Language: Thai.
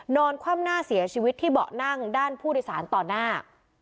คว่ำหน้าเสียชีวิตที่เบาะนั่งด้านผู้โดยสารต่อหน้า